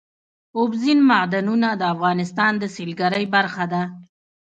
اوبزین معدنونه د افغانستان د سیلګرۍ برخه ده.